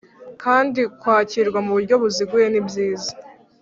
kandi kwakirwa ku buryo buziguye ni byiza